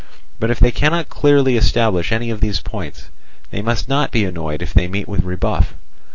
But if they cannot clearly establish any of these points, they must not be annoyed if they meet with a rebuff.